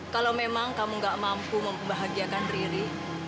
kalau memang kamu gak mampu membahagiakan riri